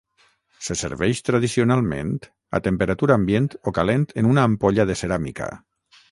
Se serveix tradicionalment a temperatura ambient o calent en una ampolla de ceràmica.